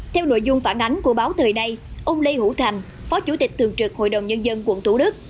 theo nội dung phản ánh của báo thời nay ông lê hữu thành phó chủ tịch thường trực hội đồng nhân dân quận thủ đức